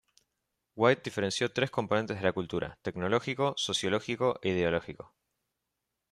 White diferenció tres componentes de la cultura: tecnológico, sociológico e ideológico.